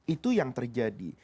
itu yang terjadi